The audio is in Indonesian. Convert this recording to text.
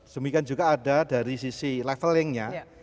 demikian juga ada dari sisi levelingnya